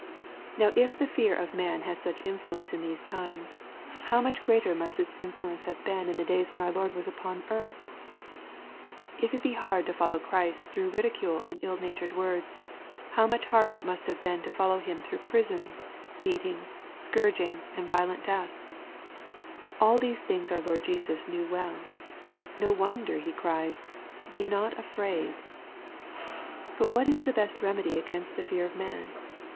Now if the fear of man has such influence in these times, how much greater must its influence have been in the days when our Lord was upon earth 1 If it be hard to follow Christ through ridicule and ill natured words, how much harder must it have been to follow Him through prisons, beatings, scourgings, and violent deaths 1 All these things our Lord Jesus knew well. No wonder that He cries, " Be not afraid.^' But what is the best remedy against the fear of man